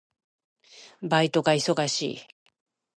バイトが忙しい。